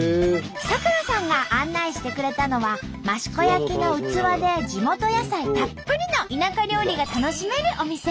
咲楽さんが案内してくれたのは益子焼の器で地元野菜たっぷりの田舎料理が楽しめるお店。